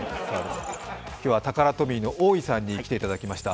今日はタカラトミーの大井さんに来ていただきました。